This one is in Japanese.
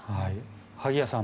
萩谷さん